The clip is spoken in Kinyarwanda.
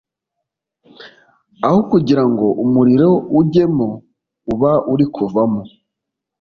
aho kugira ngo umuriro ujyemo uba uri kuvamo